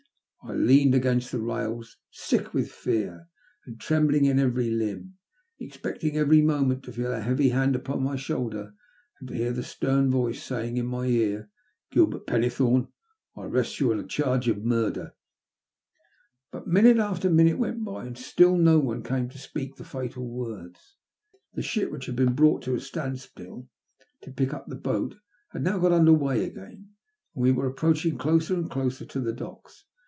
I leaned against the rails, sick with fear and trembling in every limb, expecting every moment to feel a heavy hand upon my shoulder, and to hear a stem voice saying in my ear —" Gilbert Pennethome, I arrest you on a charge of murder." But minute after minute went by, and still no one came to speak the fatal words. The ship, which had been brought to a standstill to pick up the boat, had now got under weigh again, and we were approaching closer and closer to the docks.